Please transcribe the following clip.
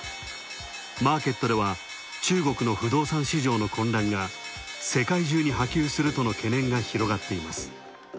マーケットでは、中国の不動産市場の混乱が世界中に波及するとの懸念が広がっています。